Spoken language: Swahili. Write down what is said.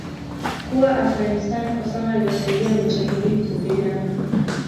kuwa Afghanistan Osama aliwasaidia mujahideen kupigana